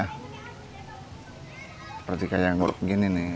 seperti kayak gini nih